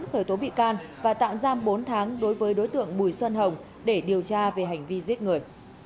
khởi tố bị can và tạm giam bốn tháng đối với đối tượng bùi xuân hồng để điều tra về hành vi giết người